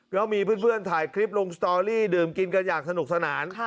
ก็มีเพื่อนถ่ายคลิปลงสตอรี่ดื่มกินกันอย่างสนุกสนาน